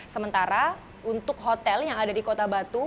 sementara untuk hotel yang ada di kota batu